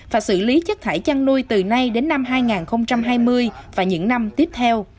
và xử lý chất thải chăn nuôi từ nay đến năm hai nghìn hai mươi và những năm tiếp theo